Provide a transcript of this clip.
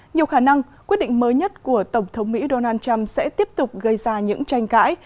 nhiều khả năng quyết định mới nhất của tổng thống mỹ donald trump sẽ tiếp tục gây ra những tranh cãi